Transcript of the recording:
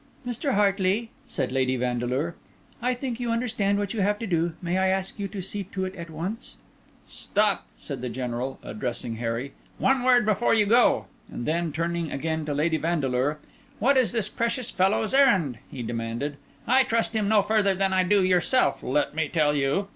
"Mr. Hartley," said Lady Vandeleur, "I think you understand what you have to do. May I ask you to see to it at once?" "Stop," said the General, addressing Harry, "one word before you go." And then, turning again to Lady Vandeleur, "What is this precious fellow's errand?" he demanded. "I trust him no further than I do yourself, let me tell you.